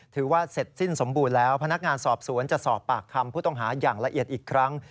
ถือว่าเสร็จสิ้นสมบูรณ์แล้วพนักงานสอบสวนจะสอบปากคำผู้ต้องหาอย่างละเอียดอีกครั้ง